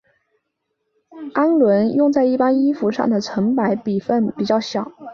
氨纶用在一般衣服上的成分百分比较小。